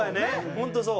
本当そう。